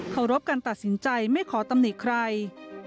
รบการตัดสินใจไม่ขอตำหนิใคร